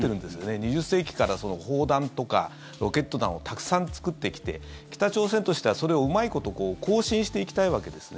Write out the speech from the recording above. ２０世紀から砲弾とかロケット弾をたくさん作ってきて北朝鮮としてはそれをうまいこと更新していきたいわけですね。